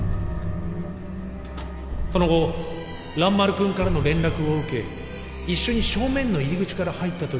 その後蘭丸君からの連絡を受け一緒に正面の入り口から入ったときに。